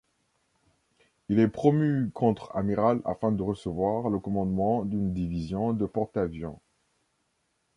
Il est promu contre-amiral afin de recevoir le commandement d'une division de porte-avions.